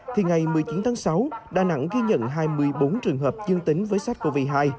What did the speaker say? thì ngày một mươi chín tháng sáu đà nẵng ghi nhận hai mươi bốn trường hợp dương tính với sars cov hai